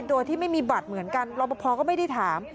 โดยที่ไม่มีบัตรเหมือนกันรอปภก็ไม่ได้ถาม